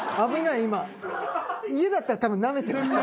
家だったら多分なめてました。